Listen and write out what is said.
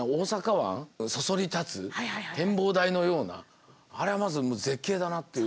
そそり立つ展望台のようなあれはまず絶景だなという。